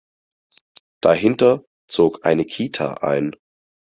Dahinter zog eine Kita ein.